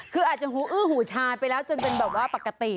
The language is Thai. คืออาจจะหูอื้อหูชายไปแล้วจนเป็นแบบว่าปกติ